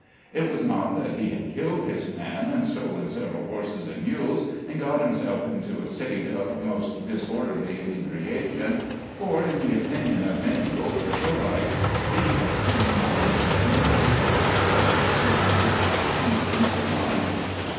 It was not that he had killed his man, and stolen several horses and mules, and got himself into a state of most disorderly inebriation, for, in the opinion of many Gopher Hillites, these actions might have been the visible results of certain virtuous conditions of mind.